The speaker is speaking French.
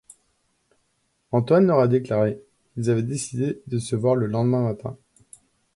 Antoine leur a déclaré qu'ils avaient décidé de se voir le lendemain matin.